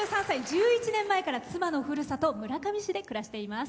１１年前から、妻のふるさと村上市で暮らしています。